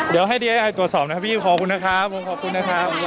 เดี๋ยวให้ดีเอสไอตรวจสอบนะครับพี่ขอบคุณนะครับผมขอบคุณนะครับ